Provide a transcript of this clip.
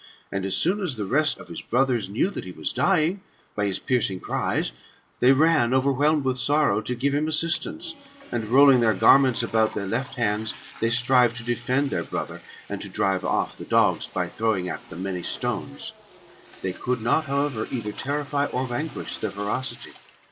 And, as soon as the rest of his brothers knew that he was dying, by his piercing cries, they ran, overwhelmed with sorrow, to give him assistance, and, rolling their garments about their left hands, they strive to defend their brother, and to drive off the dogs, by throwing at them many stones. They could not, howevoTi either terrify or vanquish their ferocity.